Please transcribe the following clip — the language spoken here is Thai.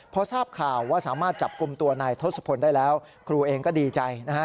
พอทราบข่าวว่าสามารถจับกลุ่มตัวนายทศพลได้แล้วครูเองก็ดีใจนะฮะ